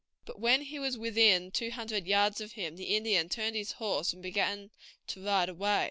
But when he was within two hundred yards of him the Indian turned his horse and began to ride away.